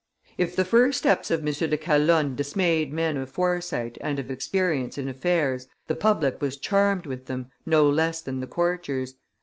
If the first steps of M. de Calonne dismayed men of foresight and of experience in affairs, the public was charmed with them, no less than the courtiers.